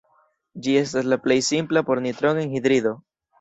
Ĝi estas la plej simpla bor-nitrogen-hidrido.